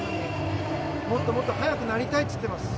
もっともっと速くなりたいと言っています。